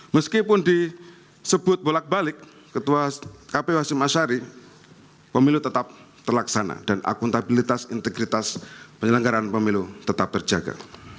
meskipun disebut bolak balik ketua kpu hasim ashari pemilu tetap terlaksana dan akuntabilitas integritas penyelenggaran pemilu tetap terjaga